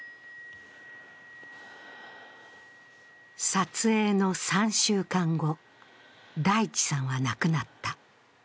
撮影の３週間後、大地さんは亡くなった。